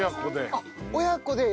親子で。